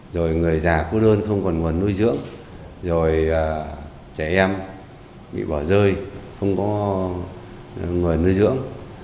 rồi người già cô đơn không còn nguồn nuôi dưỡng rồi trẻ em bị bỏ rơi không có người nuôi dưỡng